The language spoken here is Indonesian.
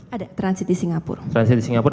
ada transit di singapura transit di singapura